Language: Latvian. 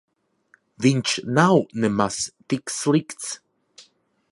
Viņš nav nemaz tik slikts.